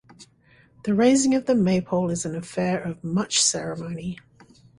The raising of the Maypole is an affair of much ceremony.